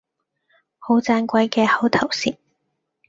好盞鬼嘅口頭禪